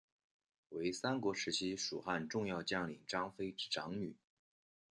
为三国时期蜀汉重要将领张飞之长女。